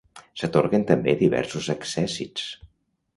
S'atorguen també diversos accèssits.